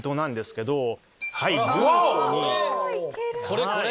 これこれ！